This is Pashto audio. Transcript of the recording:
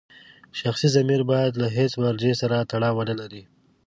شخصي ضمیر باید له هېڅ مرجع سره تړاو ونلري.